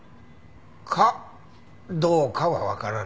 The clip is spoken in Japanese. かどうかはわからないよ。